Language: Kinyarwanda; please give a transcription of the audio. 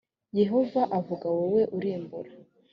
yehova avuga wowe urimbura